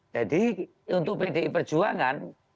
jadi untuk bd perjuangan